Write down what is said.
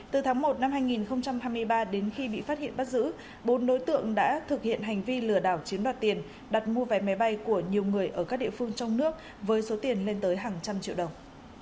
từ tháng một năm hai nghìn hai mươi ba đến khi bị phát hiện bắt giữ bốn đối tượng đã thực hiện hành vi lừa đảo chiếm đoạt tiền đặt mua vé máy bay của nhiều người ở các địa phương trong nước với số tiền lên tới hàng trăm triệu đồng